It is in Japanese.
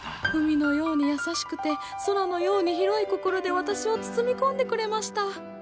海のように優しくて空のように広い心で私を包み込んでくれました。